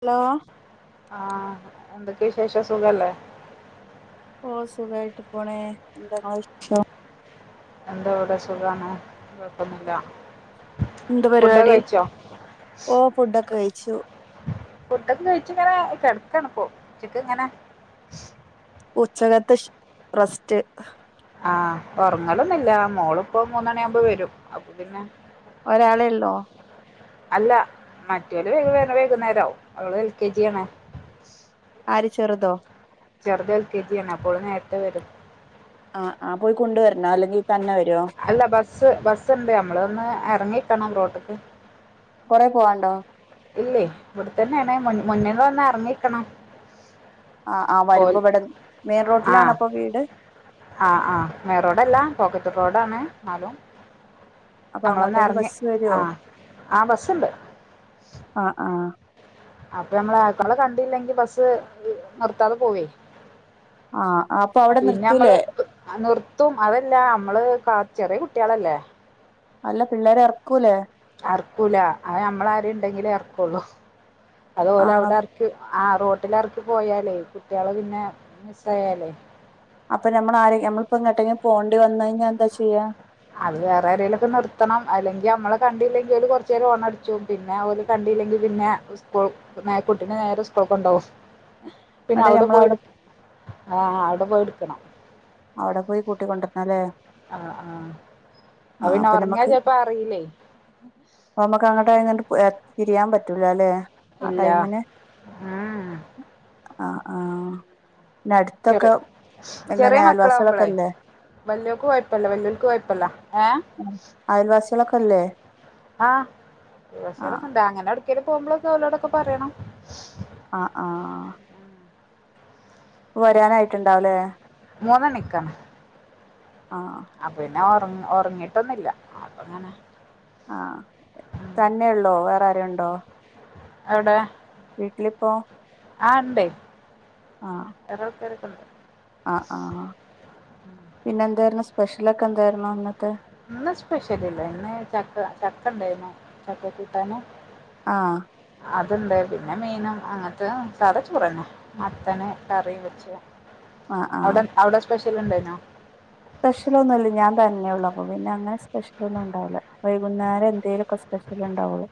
Hello ആഹ് എന്തൊക്കെ വിശേഷം സുഖല്ലേ ഓ സുഖായിട്ട് പോണ് എന്താ ഇങ്ങളെ [unintelligible] എന്താ ഇവിടെ സുഖാണ് കൊഴപ്പൊന്നില്ല എന്ത പരിപാടി ഓ ഫുഡൊക്കെ കഴിച്ചു ഫുഡൊക്കെ കഴിച്ച് ഇങ്ങനെ കെടക്കാണു ഇപോ ഉച്ചക്ക് ഇങ്ങനെ ഉച്ചകത്തെ റസ്റ്റ് ആഹ് ഉറങ്ങലൊന്നില്ല മോളിപ്പോ മൂന്നണി ആവുമ്പോൾ വരും അപ്പ പിന്നെ ഒരാളല്ലോ അല്ല മറ്റൊലെ വൈകുന്നേരവും അവള് എൽ കെ ജി ആണ മരി ചെറുതോ ചെറുത എൽ കെ ജി യാണ് അപ്പോള് നേരത്തെ വരും ആ ആ പോയി കൊണ്ടുവരണം അല്ലെങ്കിൽ തന്നെ വരുവോ അല്ല ബസ്സ് ബസ് ഉണ്ട് നമ്മളൊന്ന് ഇറങ്ങി നിക്കണുറോട്ടക്ക് കൊറെ പോവാണ്ടോ ഇല്ലേ ഇവിടെത്തന്നെയണ മുന്നിൽ വന്ന ഇറങ്ങിക്കണം ആ ആ വരുമ്പ് ഓൽ ഇവിടെ മെയിൻ ആഹ് റോഡിലാണപ്പൊ വീട് ആഹ് ആമെയിൻ റോഡല്ല പോക്കറ്റ് റോഡ ആാണ് ന്നാലും അപ്പൊ അങ്ങോട്ടേക്ക് നമ്മളൊന്നറിഞ് ബസ് വരുവോ ആഹ് ആഹ് ബസ്സുണ്ട് ആ ആ അപ്പൊ നമ്മൾ അക്കാള കണ്ടല്ലെങ്കി ബസ് നിർത്താതെ പോവേ ആ അപ്പൊ അവിടെ പിന്നെ നിർത്തൂലേ നമ്മള് നിർത്തും അത അല്ല നമ്മള് കാ ചെറിയ കുട്ടികളല്ലേ അല്ല പിള്ളേരെ ഇറക്കൂല്ല ആർക്കൂല അത് നമ്മള ആര ഉണ്ടെങ്കിലേ ഇറക്കുള്ളൂ അതുപോലെ ആണോ അവിടെ എർക്ക് ആഹ് റോട്ടിൽ ഇറക്കി പോയാലേ കുട്ടികള് പിന്നെ മിസ്സയാലേ അപ്പൊ നമ്മൾ ആര നമ്മളിപ്പോങ്ങട്ടും പോകണ്ടി വന്ന കഴിഞ്ഞാ എന്താ ചെയ്യാ അത് വേറെരയിലൊക്കെ നിർത്തണം അല്ലെങ്കിമ്മള് കണ്ടില്ലെങ്കിൽ കൊറച്ച നേര് ഓണ അടിച്ചും പിന്നെ കണ്ട ല്ലെങ്കിൽ പിന്നെകൂൾ കുട്ടിനെ നേരെ സ്കൂൾക്കെകോണ്ടോവും പിന്നെ എന്നിട്ട് അവിടെ നമ്മളവിടെ പോയിടു ആഹ് അവിടെ പോയി എടുക്കണം അവിടെ പോയി കൂട്ടിക്കൊണ്ടിരനം പറയ ആഹ് ആഹ് ആഹ് അപ്പൊ നമ്മക്ക് അഹ് പ്പ നമ്മക്ക് അങ്ങോട്ട ആഹ് തിരിയാൻ പറ്റൂല അല്ലേ ആ ടൈമിന് ഇല്ല ഏഹ് ഉം ആഹ് ആഹ് പിന്നെ ചെറി അടുത്തൊക്കെ എങ്ങനെ ആയൽവാസികളൊക്കെ ഇല്ലേ വല്ല്യോയക്ക് കുഴപ്പല്ല വല്ല്യോയുക്ക് കുഴപ്പല്ല ഏഹ് അയൽവാസികളൊക്കെ ഇല്ലേ ആഹ ആ അയൽവാസികൾ ഒക്കെ ണ്ട് അങ്ങനെടു ഔഡ്ക്കേലും പോകുമ്പോളൊക്കെ ഓലോടൊക്കെ പറയണം ആഹ് ആഹ് വരാനായിട്ടുണ്ടാവലേ മൂന്നണിക്കാണ് ആ അപ്പ പിന്നെ ഉറ ഉറങ്ങിട്ടൊന്നില്ല അപ്പങ്ങനെ ആഹ് തന്നെയള്ളോ വേറെ ആരേം ഉണ്ടോ അവിടെ വീട്ടിലിപ്പോ ആ ഉണ്ടേ [unintelligible] പേരൊക്കെ ഉണ്ട് ആഹ് ആഹ് പിന്നെ എന്തായിരുന്നു സ്പെഷ്യലൊക്കെ എന്തായിരുന്നു ഇന്നത്തെ- ഇന്ന് സ്പെഷ്യൽ ഇല്ല ഇന്ന് ചക്ക ചക്കണ്ടാരുന്നു ചക്കകൂട്ടാന് ആഹ് അതുണ്ട് പിന്നെ മീനും അങ്ങൻത്തെ സാത ചോറെന്നെ മത്തന് കറി വെച്ച് ആ അവടെ അവടെ സ്പെഷ് ൽ ണ്ടാ യിനോ സ്പെഷ്യലൊന്നുല്ല ഞാൻ തന്നെള്ളൂ അപ്പ പിന്നെ അങ്ങനെ സ്പെഷ്യലൊന്നുണ്ടാവുല്ല വൈകുന്നേരം എന്തേലൊക്കെ സ്പെഷ്യല് ണ്ടാവോള്ളൂ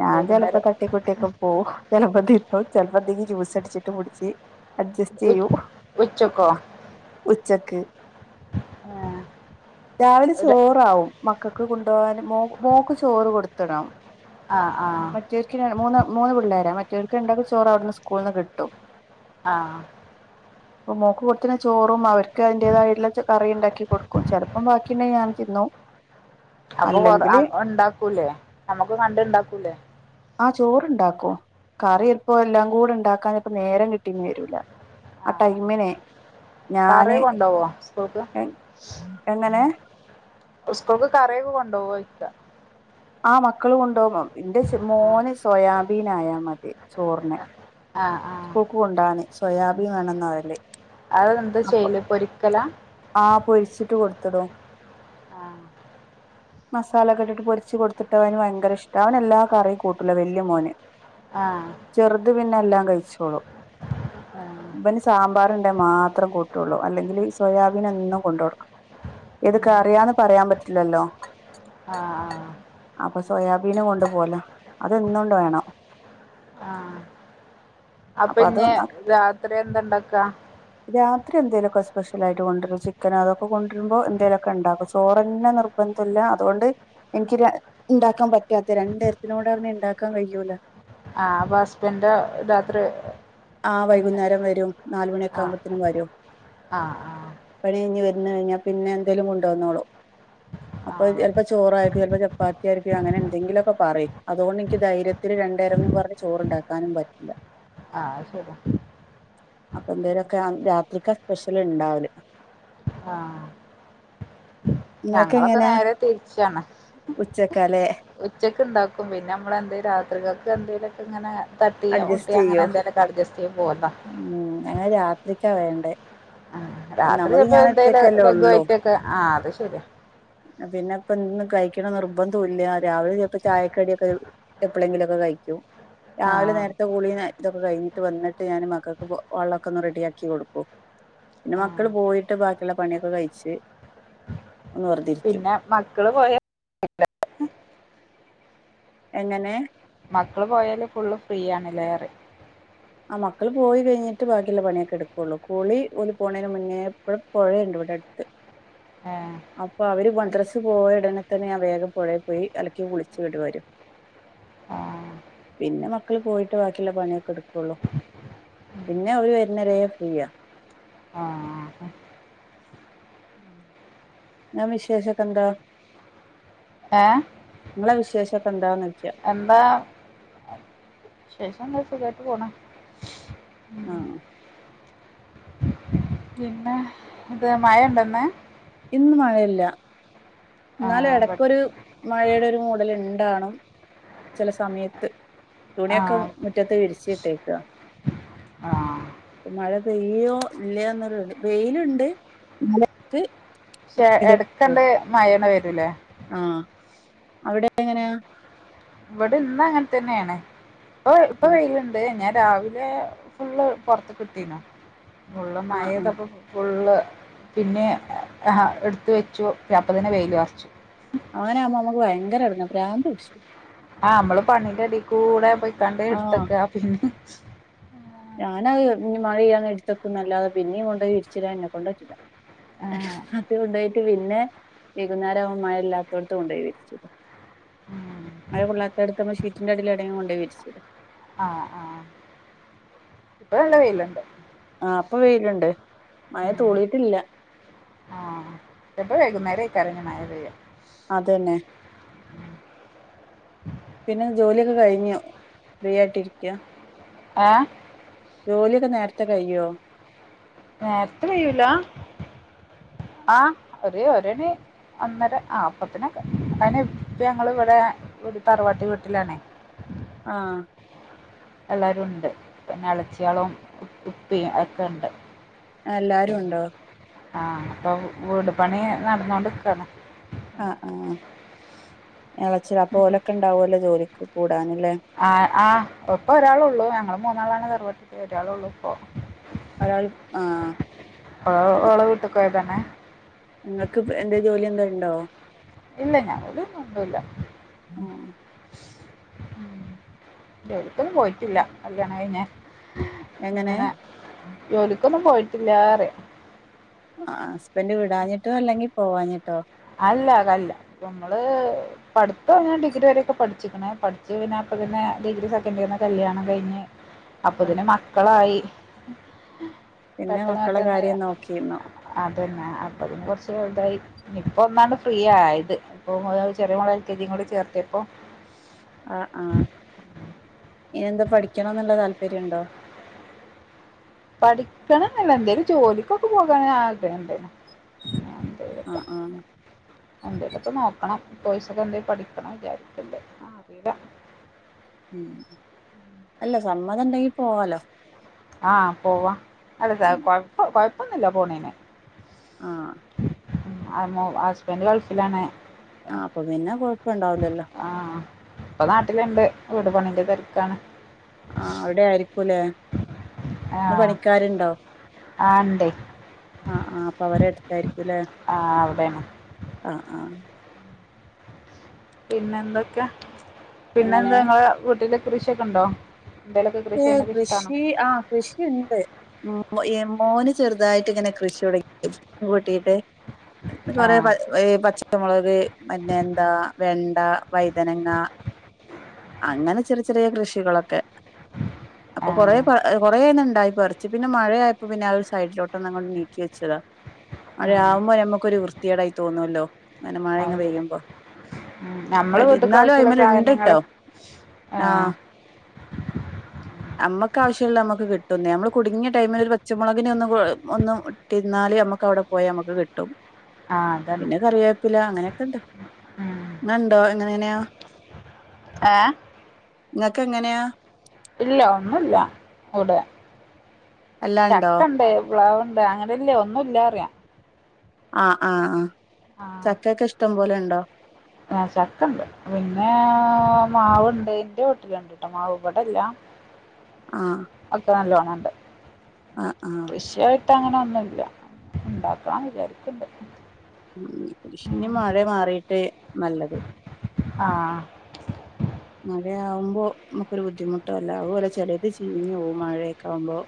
ഞാൻ ചെലപ്പോ വൈകുന്നേരം തട്ടിക്കൂട്ട്യൊക്കെ പോവും ചെലപ്പതിന്നും ചെലപ്പ ന്തേലുംജ്യൂസ് അടിച്ചിട്ട് കുടിച്ച് അഡ്ജസ്റ്റ് ഉ ചെയ്യും ഉച്ചക്കോ ഉച്ചക്ക് ആ രാവിലെ ചോറാവും മക്കക്ക് കൊണ്ടോവാന് മോ മോക്ക് ചോറ് കൊട്ത്തിടാം ആഹ് ആഹ് മറ്റോര്ക്ക് മൂന്ന് മൂന്ന് പിള്ളേരാ മ റ്റോൽക്ക് രണ്ടാക്ക് ചോറ് അവിടുന്ന് സ്കൂൾന്ന് കിട്ടും ആ അപ്പൊ മോക്ക് കൊടുത്തിന ചോറും അവര്ക്ക് അയിന്റേതായിട്ടുള്ള കറി ണ്ടാക്കി കൊട് ചെലപ്പം ബാക്കിണ്ടങ്കി ഞാൻ തിന്നും അപ്പൊ അല്ലെങ്കില് കൊറഉണ്ടാക്കൂലേ നമ്മുക്ക് കണ്ട് ഇണ്ടാക്കൂലേ ആ ചോറ്ണ്ടാക്കും ആഹ് കറിപ്പോ എല്ലാം കൂടെ ഉണ്ടാക്കാൻ ഇപ്പോ നേരം കിട്ടീന്ന് വരൂല ആ ആഹ് ടൈമിനെ ആഹ് കറി ഞാന് കൊണ്ടോവോ സ്കൂൾക്ക് ല്ല [unintelligible] കറിക്കെ കൊണ്ടോവോയ്ക്ക ആ മക്കൾ കൊണ്ടോ എന്റെ ആഹ് മോന് സോയാബീൻ ആയാ മതി ചോറിന് ആ ആ സ്കൂൾക്ക് കൊണ്ടാന് സോയാബീൻ വേണംന്ന് [inaudible] അതെന്താ അപ്പൊ ചെയ്യല് പൊരിക്കലാ ആ പൊരിച്ചിട്ട് കൊടുത്തടോ ആഹ് മസാലക്കെ ഇട്ടിട്ട് പൊരിച്ച് കൊടുത്തിട്ടവന് ഭയങ്കര ഇഷ്ട അവൻ എല്ലാ ക റിം കൂട്ടൂല വല്യ മോന് ആ ചെറുത് പിന്നെ എല്ലാം കഴിച്ചോളും ആഹ് ഇബന് സാമ്പാർ മാത്രം കൂട്ടുള്ളൂ അല്ലെങ്കിൽ സോയാബീ നന്നും കൊണ്ടോടുക്കണം ഇതൊക്കെ ഉം അറിയാന്ന് പറയാൻ പറ്റില്ലല്ലോ ആഹ് അപ്പൊ സോയാബീന കൊണ്ട് പോല അതന്നും വേണം ആ അപ്പ അപ്പൊ ഞ്ഞ് അത് രാത്രി എന്താണ്ടാക്കാ കൊണ്ടോർമ്പം ചിക്കനദക്കേകൊണ്ടേ ർമ്പം എന്തേലൊക്കെണ്ടക്കും ചോറന്നെ നിർബന്ധല്ലാ അതോണ്ട് ഇൻകി കിട്ടും ഉണ്ടാക്കാൻ പറ്റാത്ത രണ്ടത്തിനോട് ഉണ്ടാക്കാൻ കഴിയൂല ആ അപ്പൊ ഹസ്ബൻന്റെ രാത്രി ആ അങ്ങനെ വൈകുന്നേരം വരും നാലുമണിയൊക്കെ ആഹ് ആവുമ്പോത്തനും വരും ആഹ് ആഹ് പണ കഴഞ്ഞഞ് വര കഴിഞ്ഞാൽ പിന്നെ എന്തേലും കൊണ്ടോന്നോളുംഅപ്പ ആഹ് ചെലപ്പോ ചോറാക്കും ചെൽപ്പോ ചപ്പാത്തി [unintelligible] അങ്ങനെന്തെങ്കിലൊക്കെ പറയും അതുകൊണ്ട് എനിക്ക് ധൈര്യത്തി രണ്ടേരം എന്ന് പറഞ്ഞ ചോറുണ്ടാക്കും ക്കാനും പറ്റില്ല ആ ശരി അപ്പൊ എന്തേലുംക്കെ രാത്രിക്കാ സ്പെഷ്യല് ഇണ്ടാവല് ആ നിങ്ങൾക്ക് ഞങ്ങളൊക്കെ എങ്ങനെയാ നേരെ തിരിച്ചാണ് ഉച്ചക്കാലേ ഉച്ച ഒക്കെ ഉണ്ടാക്കും പിന്നെ നമ്മളെന്തിലും രാത്രി കക്ക് എന്തേലുമൊക്കെ ഇങ്ങനെ തട്ടി ഒട്ടി അഡ്ജസ്റ്റ് അങ്ങനെ ചെയ്യോ എന്തേലുമക്കെ അഡ്ജസ്റ്റ് ചൈത് പോന്നതാ ഉം ഞങ്ങള് രാത്രിക്കാ വേണ്ടേ രാത്രി ഒന്നാമത് ചെൽപ്പം ഞാൻ എന്തേലും ഒറ്റക്കല്ലേ ഉള്ളൂ ലഘുവായിട്ടൊക്കെ ആ അത് ശെരിയാ പിന്നെ ഇപ്പ ഇന്ന് കഴിക്കണ നിർബന്ധംല്ല രാവിലെ ചപ്പോ ചായക്കടിയൊക്കെ എപ്പോഴെങ്കിലുംക്കെ കഴിക്കും ആ രാവിലെ നേരത്തെ കൂളി ഇതൊക്കെ കഴിഞ്ഞിട്ട് വന്നിട്ട് ഞാൻ മക്കൾക്ക് വള്ളമൊക്കെ ഒന്ന് റെഡിയാക്കി കൊടുക്കും പിന്നെ മ ആ [unintelligible] എങ്ങനെ മക്കള് പോയല് ഫുള്ള് ഫ്രീ ആണ്ല്ലേ റെ ആ മക്കള് പോയി കഴിഞ്ഞിട്ട് ബാക്കില്ല പണിയൊക്കെ എടുക്കൊള്ളൂ കുളി ഓല് പോണന് മുന്നേ എപ്പഴും പൊഴയിണ്ട് ഇവിടെ അടുത്ത് ഏ അപ്പൊ അവര് പ മദ്റസ് പോയ ഉടനെ തന്നെ ഞാൻ വേഗം പോഴേ പോയി അലക്കി കുളിച്ച് ഇങ്ങട്ട് വരും ആ പിന്നെ മക്കള് പോയിട്ട് ബാക്കില്ല പണിയൊക്കെ എടുക് കൊള്ളു ഉം. പിന്നെ ഒരു വരുന്നവരെ ഫ്രീയ ആഹ ഞാൻ വിശേഷക്കെന്താ ഏ നിങ്ങളെ വിശേഷൊക്കെന്താന്ന് എന്താ വിശേഷങ്ങനെ സുഖായിട്ട് പോണ് ആഹ പിന്നെ ഇത് മഴ ഇണ്ടോ ഇന്ന് ഇന്ന് മഴയില്ല ആ ഇന്നാലും ഇവിടെ- എടക്കൊരു മഴയുടെ ഒരു മൂടല് ഇണ്ടാണും ചെല സമയത്ത് ആ തുണിയൊക്കെ മുറ്റത്ത് വിരിച്ചിട്ടേക്കാ ആ മഴ പെയ്യോ ഇല്ലേ ന്നൊരു വെയില്ണ്ട് മക്ക് പക്ഷെ എടക്കണ്ട് മഴണ്ട് വരുല്ലേ ആഹ അവടക്കെ എങ്ങനാ ഇവടെ ഇന്ന് അങ്ങനെ തന്നെയാണ് ഇപ്പൊ ഇപ്പൊ വെയില്ണ്ട് ഞാൻ രാവിലെ ഫുള്ള് പൊർത്ത്കിട്ടീനു ഫുള്ളും ആഹ് ആഹ് മഴതപ്പോ ഫുള്ള് പിന്നെ ആ എടുത്ത് വെച്ചു അപ്പത്തന്നെ വെയിലും അർച്ചു അങ്ങനാവുമ്പോ നമ്മക്ക് ഭയങ്കര എടുങ്ങേ ഭ്രാന്ത് പിടിച്ചും ആഹ് നമ്മള് പണിന്റെ എടികൂടെ പോയിക്കാണ്ട് എടുത്തക്കാ പിന്നിം ഞാന അഹ് മഴപെയ്യാ നേരത്ത് എടുത്തക്കുംന്നല്ലാതെ പിന്നിം കൊണ്ടോയി വിരിച്ചിടാൻ എന്നെ കൊണ്ട് കജുല ആഹ് അത് കൊണ്ടോയിട്ട് പിന്നെ വൈകുന്നേരവു മഴല്ലാത്തോട്ത്ത് കൊണ്ടോയി വിരിച്ചിടും ഉം അയല് കൊള്ളാതോട്ത്ത് നമ്മള് ഷീറ്റിന്റെ അടിയിലൊടെങ്കിലും കൊണ്ടേയി വിരിച്ചിടും ഇപ്പ നല്ല വെയിലുണ്ട് ആഹ ഇപ്പ വെയില്ണ്ട് മഴ ഉം തൂളിയിട്ടില്ല ചെലപ്പം വൈകുന്നേരെക്കാരം മഴ പെയ്യാ അതന്നെ പിന്നെ ജോലിയൊക്കെ കഴിഞ്ഞു ഫ്രീ ആയിട്ട് രിക്കാ ഏ ജോലിയൊക്കെ നേരത്തെ കയ്യോ നേരത്തെ കയ്യൂല ആ ഒര് ഒരണി ഒന്നര ആ അപ്പത്തിനൊക്കെ അയിന് ഇപ്പ ഞങ്ങള് വടെ തറവാട്ട് വീട്ടിലാണ് ആഹ ല്ലാരുണ്ട് പിന്നെ എളച്ചേള്ളും ഉപ്പി ഒക്കെ ഇണ്ട് എല്ലാരും ഉണ്ടോ ആഹ അപ്പൊ വീട് പണി നടന്നോണ്ട്ക്കാണ് ആആ എളച്ചി അപോലൊക്കെ ഇണ്ടാവല്ലോ ജോലിക്ക് കൂടു ആ ആ ഇപ്പൊ ഒരാളൊള്ളൂ ഞങ്ങള് മൂന്നാളാണ് തറപട്ടില് ഒരാളൊള്ളു ഇപ്പം ഒരാൾ ആഹ ഓ ഓള് വീട്ട്കോയതാണ് നിങ്ങൾക്ക് എന്തേ ജോലി എന്തേ ഇണ്ടോ ഇല്ല ഞങ്ങൾ ത് ഒന്നുല്ല ആഹ് എവ്ടുത്തും പോയിട്ടില്ല കല്യാണം കഴിഞ്ഞേ എങ്ങനെ ഇങ്ങനെ ജോലിക്കൊന്നും പോയിട്ടില്ലാറെ ആഹ് ഹസ്ബൻഡ് വിടാഞ്ഞിട്ടോ അല്ലെങ്കിൽ പോവാഞ്ഞിട്ടോ അല്ല കല്ലാ പ്പൊ മ്മള് പഠിത്തം ഞാൻ ഡിഗ്രി വരെയൊക്കെ പഠിച്ചിക്ക്ണ് പഠിച്ച് പിന്ന അപ്പം പിന്നെ ഡിഗ്രി സെക്കന്റിയറിന് കല്യാണം കഴിഞ്ഞ് അപ്പൊത്തിന് ആഹ് മക്കളായി പിന്നെ പെട്ടെന്ന് മക്കളെ പറ്റന്ന കാര്യം നോക്കിയിരുന്നോ [unintelligible] അതന്നെ അപ്പതും കുറച്ച് വലുതായി ഇപ്പൊ ഒന്നാണ് ഫ്രീ ആയത് ഇപ്പൊ ചെറിയ മോളെ എൽ കെ ജിയും കൂടി ചേർത്തപ്പൊ ആഹ് ആഹ് ഇനിന്താ പഠിക്കണംന്ന് വല്ല താല്പര്യണ്ടോ പഠിക്കണം എന്നല്ല എന്തേലും ജോലിക്കൊക്കെ പോകാൻ ആഗ്രഹണ്ട് ആഹ് ആഹ് എന്തേലൊക്കെ നോക്കണം കോയ്സക്കെ എന്തേലും പഠിക്കണം വിചാരിക്കണ്ട് ആ അറിയില്ല ഉം അല്ല സമ്മതം ഉണ്ടെങ്കിൽ പോവാലോ ആഹ് പോവാ അല്ല ഉം കൊഴപ്പ കൊഴപ്പൊന്നൂല്ല പോണേന് ആഹ് [unintelligible] ഹസ്ബൻഡ് ഗൾഫിലാണ് ആഹ് അപ്പൊ പിന്നെ കൊഴപ്പണ്ടാവൂലല്ലോ ആഹ് ഇപ്പൊ നാട്ടിലുണ്ട് വീട് പണിന്റെ തിരക്കാണ് ആഹ് അവിടെ ആയിരിക്കൂല്ലേ ഇന്ന് ആഹ് പണിക്കാരുണ്ടോ ആഹ് ഇണ്ടേ ആഹ് ആഹ് അപ്പൊ അവരെട് അതായിരിക്കുംല്ലേ ആഹ് അവിടെയാണ് ആഹ് ആഹ് പിന്നെ എന്തൊക്കെ പിന്നെ എങ്ങനെ എന്താ ങ്ങളെ വീട്ടിലെ കൃശിയൊക്കെ ഉണ്ടോ എന്തേലൊക്കെ കൃഷി ഏയ് ചെയ്യണൊക്കെ ഇഷ്ടാണോ കൃഷി ആഹ് കൃഷിണ്ട് മോന് ചെറുതായിട്ട് ഇങ്ങനെ കൃഷി [unintelligible] കൂട്ടീട്ട് റെ [unintelligible] ആഹ് പ പച ചമുളക് പിന്നെ എന്താ വെണ്ട വൈതനങ്ങ അങ്ങനെ ചെറിയ ചെറിയ കൃഷികളൊക്കെ അപ്പൊ കൊറെ ആഹ് കൊറെന്നെ ഇണ്ടായി റിച്ച് പിന്നെ മഴയപ്പോ പിന്നെ ആ ഒരു സൈഡിലോട്ടൊന്നങ്ങ് നീക്കി വെച്ചതാ ആഹ് ഴയാവുമ്പോ നമ്മക്കൊരു വൃത്തിയേടായി തോന്നുവല്ലോ മന മഴ അത് ഇങ്ങ് ശരി പെയ്യുമ്പോ ഉം നമ്മളെ വീട്ട്ക്ക് ഇന്നാലും ആവശ്യള്ള അയ്മേല് സാധനങ്ങള് ഇണ്ടിട്ടോ ആഹ് നമ്മക്ക് ആവശ്യമുള്ള നമ്മക്ക് കിട്ടുന്നേ നമ്മള് കുടുങ്ങിയ ടൈമിൽ ഒരു പച്ചമുളകിനെ ഒന്ന് ഒന്ന് ഇട്ടിരുന്നാലേ നമുക്ക് അവിടെ പോയാ നമുക്ക് കിട്ടും ആഹ് അതാണ് പിന്നെ കറിവേപ്പില അങ്ങനെയൊക്കെണ്ട് ഉം ഇങ്ങണ്ടോ എങ്ങനെനെയാ [inaudible] ഏ ങ്ങക്ക് എങ്ങനെയാ ഇല്ല ഒന്നുമില്ല ഇവിടെ എല്ലാണ്ടോ ചക്കണ്ട് പ്ലാവ്ണ്ട് അങ്ങനെയല്ലേ ഒന്നും ഇല്ല അറിയാം ആഹ് ആഹ് ആഹ് ചക്കൊക്കെ ഇഷ്ടം പോലെ ഉണ്ടോ ചക്ക ഉണ്ട് പിന്നെ മാവ്ണ്ട് എന്റെ വീട്ടിലുണ്ട്ട്ടോ മാവ് ഇവിടെല്ല ആഹ് ഒക്കെ നല്ലോണം ഇണ്ട് ആഹ് ആഹ് പ്പ അങ്ങനെ ഒന്നൂല്ല ഉണ്ടാക്കാന്ന് വിചാരിക്കണ്ട് ഉം [unintelligible] ഇനി മഴ മാറിയിട്ട് നല്ലത് ആഹ് മഴയാവുമ്പോ നമുക്കൊരു ബുദ്ധിമുട്ട ല്ല അതുപോലെ ചെലത് ചീഞ്ഞോവും മഴയൊക്കാവുമ്പോ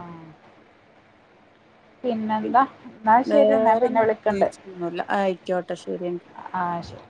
ആഹ് പിന്നെന്താ എന്നാ ശരി എന്നാ ഞാൻ പിന്നെ വേറൊന്നും വിളിക്കണ്ട് പ്രത്യേകിച്ചൊന്നുല്ല ആയിക്കോട്ടെ ശരി എങ്കി ആഹ് ശരി